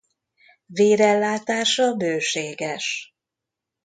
Vérellátása bőséges.